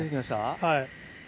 はい。